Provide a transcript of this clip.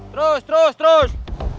terus terus terus